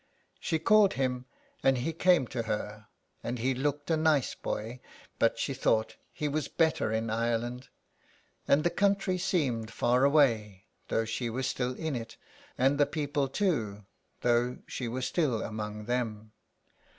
She called him, and he came to her, and he looked a nice boy, but she thought he was better in Ireland. And the country seemed far away, though she was still in it, and the people too, though she was still among them.